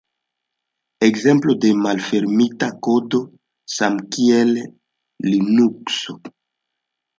Ekzemplo de malfermita kodo samkiel Linukso.